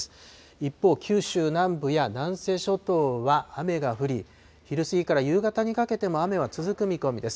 一方、九州南部や南西諸島は雨が降り、昼過ぎから夕方にかけても雨は続く見込みです。